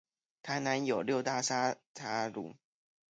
台南有六大沙茶爐